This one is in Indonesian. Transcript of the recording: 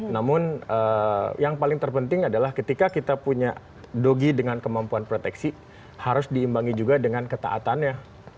namun yang paling terpenting adalah ketika kita punya dogi dengan kemampuan proteksi harus diimbangi juga dengan ketaatannya